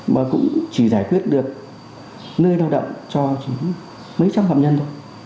mà cũng chỉ giải quyết được nơi lao động cho chỉ mấy trăm phạm nhân thôi